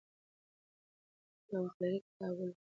که ته وخت لرې کتاب ولوله.